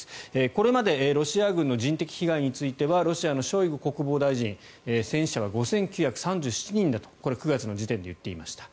これまでロシア軍の人的被害についてはロシアのショイグ国防大臣戦死者は５９３７人だとこれは９月の時点で言っていました。